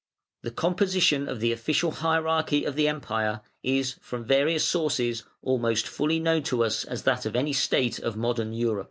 The composition of the official hierarchy of the Empire is, from various sources, almost as fully known to us as that of any state of modern Europe.